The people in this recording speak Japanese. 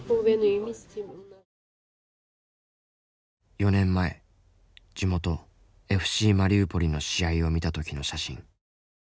４年前地元ＦＣマリウポリの試合を見た時の写真。